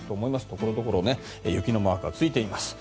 所々、雪のマークがついています。